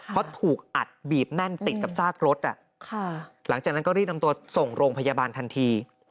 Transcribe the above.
เพราะถูกอัดบีบแน่นติดกับซากรถหลังจากนั้นก็รีบนำตัวส่งโรงพยาบาลทันที